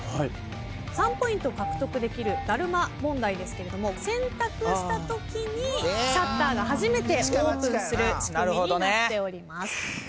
３ポイント獲得できるダルマ問題ですけれども選択したときにシャッターが初めてオープンする仕組みになってます。